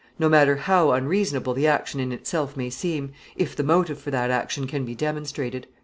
No matter how unreasonable the action in itself may seem, if the motive for that action can be demonstrated.